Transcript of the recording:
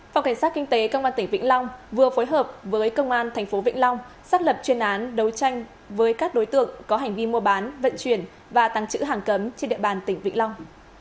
phòng cảnh sát kinh tế công an tỉnh vĩnh long vừa phối hợp với công an tp vĩnh long xác lập chuyên án đấu tranh với các đối tượng có hành vi mua bán vận chuyển và tăng chữ hàng cấm trên địa bàn tỉnh vĩnh long